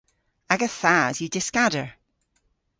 Aga thas yw dyskader.